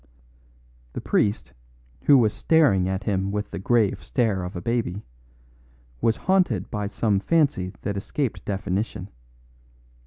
The priest, who was staring at him with the grave stare of a baby, was haunted by some fancy that escaped definition.